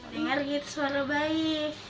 dengar gitu suara bayi